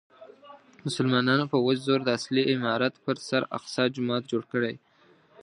مسلمانانو په وچ زور د اصلي عمارت پر سر اقصی جومات جوړ کړی.